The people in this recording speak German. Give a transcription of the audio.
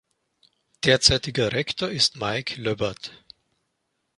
Derzeitiger Rektor ist Maik Löbbert.